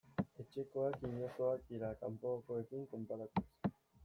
Etxekoak inozoak dira kanpokoekin konparatuz.